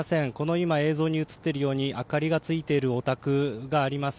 今、映像に映っているように明かりがついているお宅があります。